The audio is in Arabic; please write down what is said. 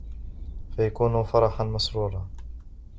فَيَكُونُ فَرِحًا مَسْرُورًا